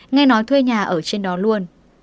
nghe nói thuê nhà ở trên đó luôn